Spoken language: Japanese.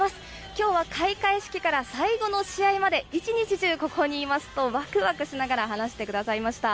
きょうは開会式から最後の試合まで、一日中、ここにいますと、わくわくしながら話してくださいました。